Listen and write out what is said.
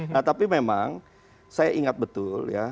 nah tapi memang saya ingat betul ya